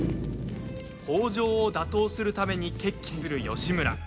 北条を打倒するために決起する義村。